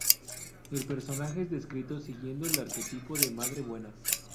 El personaje es descrito siguiendo el arquetipo de madre buena.